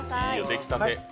出来立て。